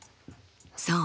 そう。